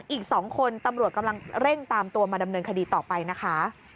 อีก๒คนตำรวจกำลังเร่งตามตัวมาดำเนินคดีต่อไปนะคะ